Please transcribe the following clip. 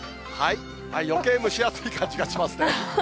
よけい蒸し暑い感じがしますね。